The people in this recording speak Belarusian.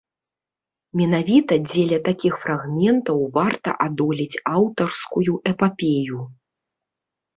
Менавіта дзеля такіх фрагментаў варта адолець аўтарскую эпапею.